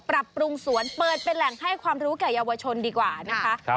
ปรับปรุงสวนเปิดเป็นแหล่งให้ความรู้แก่เยาวชนดีกว่านะคะ